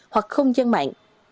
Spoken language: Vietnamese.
hoặc không gian mạng